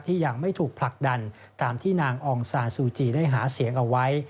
ยังไม่ถูกผลักดันตามที่นางอองซานซูจีได้หาเสียงเอาไว้